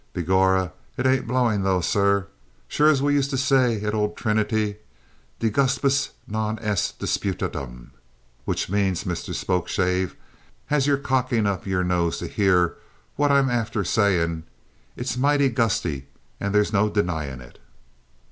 "Begorrah, ain't it blowin', though, sir! Sure, as we used to say at ould Trinity, de gustibus non est disputandum, which means, Mister Spokeshave, as yo're cockin' up your nose to hear what I'm after sayin', it's moighty gusty, an' there's no denyin' it!"